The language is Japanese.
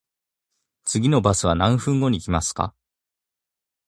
次のバスは何分後に来ますか？